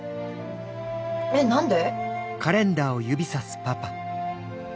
えっ何で？